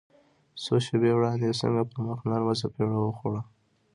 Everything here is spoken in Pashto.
څو شېبې وړاندې يې څنګه پر مخ نرمه څپېړه وخوړه.